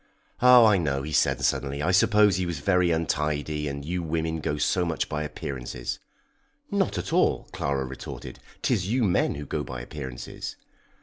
Oh, I know," he said suddenly, "I suppose he was very untidy, and you women go so much by appearances!" "Not at all," Clara retorted. "'Tis you men who go by appearances."